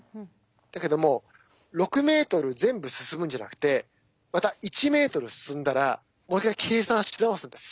だけども６ｍ全部進むんじゃなくてまた１ｍ進んだらもう一回計算し直すんです。